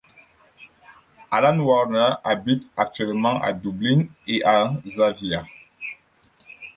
Alan Warner habite actuellement à Dublin et à Xàvia.